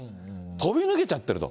飛び抜けちゃってると。